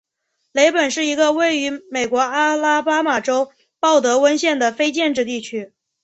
雷本是一个位于美国阿拉巴马州鲍德温县的非建制地区。